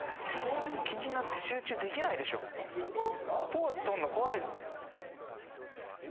ポーズとるの怖い。